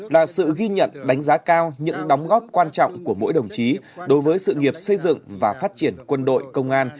là sự ghi nhận đánh giá cao những đóng góp quan trọng của mỗi đồng chí đối với sự nghiệp xây dựng và phát triển quân đội công an